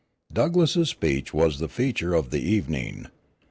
Douglass's speech was the feature of the evening.